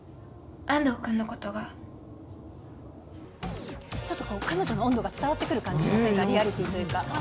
私、ちょっと彼女の温度が伝わってくる感じがしませんか、リアリティーというか。